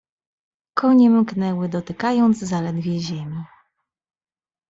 "Konie mknęły, dotykając zaledwie ziemi."